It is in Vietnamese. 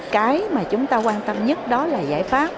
cái mà chúng ta quan tâm nhất đó là giải pháp